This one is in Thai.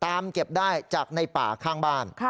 เก็บได้จากในป่าข้างบ้าน